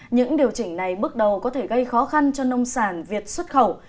những điều chỉnh này bước đầu có thể gây khó khăn cho nông sản việt xuất khẩu